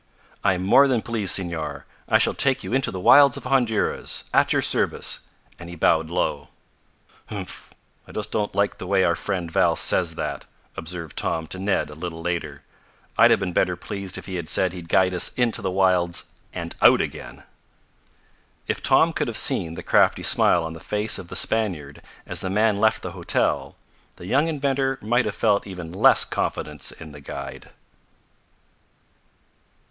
"I am more than pleased, Senor. I shall take you into the wilds of Honduras. At your service!" and he bowed low. "Humph! I don't just like the way our friend Val says that," observed Tom to Ned a little later. "I'd have been better pleased if he had said he'd guide us into the wilds and out again." If Tom could have seen the crafty smile on the face of the Spaniard as the man left the hotel, the young inventor might have felt even less confidence in the guide.